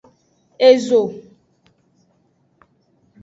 Ezo.